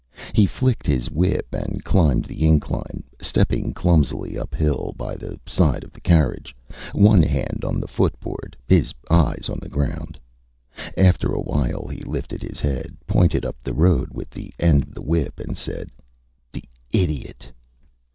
He flicked his whip and climbed the incline, stepping clumsily uphill by the side of the carriage, one hand on the footboard, his eyes on the ground. After a while he lifted his head, pointed up the road with the end of the whip, and said ÂThe idiot!